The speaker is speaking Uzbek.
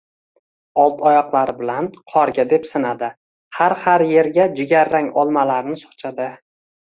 Old oyoqlari bilan qorga depsinadi, har-har erga jigarrang olmalarni sochadi